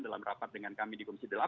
dalam rapat dengan kami di komisi delapan